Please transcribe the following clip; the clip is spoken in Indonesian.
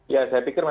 ya saya pikir memang